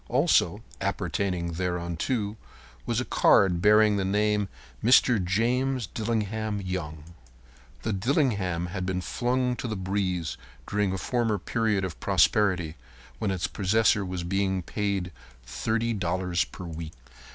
Also appertaining thereunto was a card bearing the name "Mr. James Dillingham Young." The "Dillingham" had been flung to the breeze during a former period of prosperity when its possessor was being paid $30 per week.